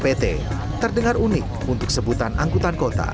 pt pt terdengar unik untuk sebutan angkutan kota